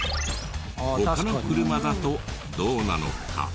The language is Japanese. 他の車だとどうなのか？